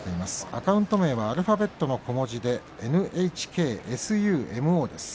アカウント名はアルファベットの小文字でｎｈｋｓｕｍｏです。